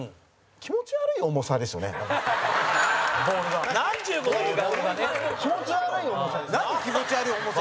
気持ち悪い重さって。